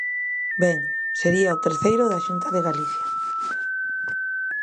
Ben, sería o terceiro da Xunta de Galicia.